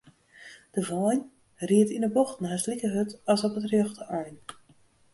De wein ried yn 'e bochten hast like hurd as op it rjochte ein.